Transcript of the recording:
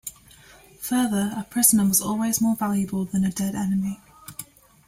Further, a prisoner was always more valuable than a dead enemy.